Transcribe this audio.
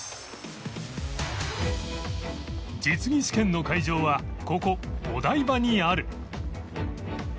実技試験の会場はここお台場にある